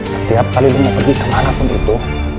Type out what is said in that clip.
setiap kali lo mau pergi kemana pun itu